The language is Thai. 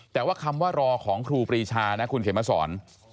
แต่ว่าคำว่ารอของครูปรีชานะคุณเขมสอน